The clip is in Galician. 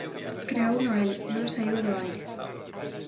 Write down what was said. Creouno el, non saíu do aire.